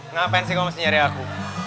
ngapain sih kamu mesti nyari aku